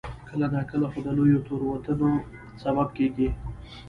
کله ناکله خو د لویو تېروتنو سبب کېږي.